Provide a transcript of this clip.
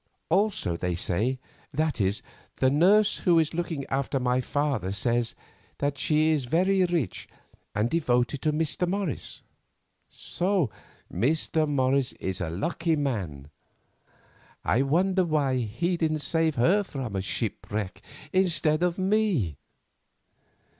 Also, they say, that is, the nurse who is looking after my father says, that she is very rich and devoted to 'Mr. Morris.' So Mr. Morris is a lucky man. I wonder why he didn't save her from a shipwreck instead of me.